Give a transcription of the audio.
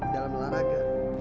dalam lelah raga